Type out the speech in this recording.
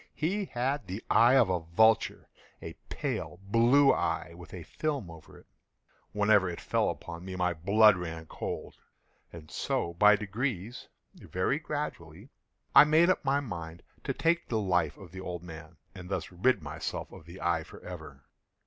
He had the eye of a vulture—a pale blue eye, with a film over it. Whenever it fell upon me, my blood ran cold; and so by degrees—very gradually—I made up my mind to take the life of the old man, and thus rid myself of the eye forever.